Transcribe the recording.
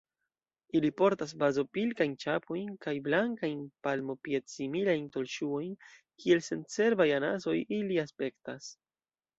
Ili portas bazopilkajn ĉapojn kaj blankajn palmopied-similajn tolŝuojn: kiel sencerbaj anasoj ili aspektas.